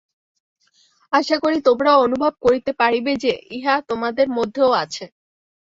আশা করি, তোমরাও অনুভব করিতে পারিবে যে, ইহা তোমাদের মধ্যেও আছে।